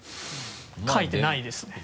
かいてないですね。